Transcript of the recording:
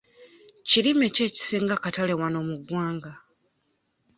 Kirime ki ekisinga akatale wano mu ggwanga?